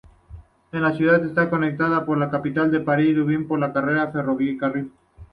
La ciudad está conectada con la capital del país, Dublín por carretera y ferrocarril.